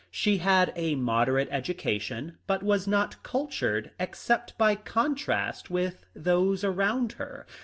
She had a moderate education, but was not cultured except by contrast with those around her.